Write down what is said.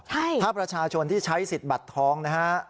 ถ้าประชาชนที่ใช้สิทธิ์บัตรทองนะฮะ